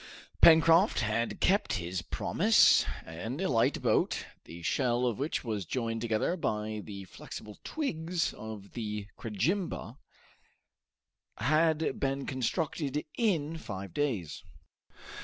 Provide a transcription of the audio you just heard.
Pencroft had kept his promise, and a light boat, the shell of which was joined together by the flexible twigs of the crejimba, had been constructed in five days.